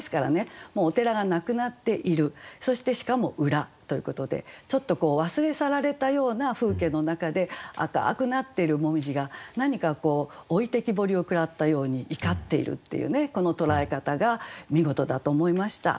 もうお寺がなくなっているそしてしかも「裏」ということでちょっと忘れ去られたような風景の中で赤くなってる紅葉が何かこう置いてきぼりを食らったように怒っているっていうねこの捉え方が見事だと思いました。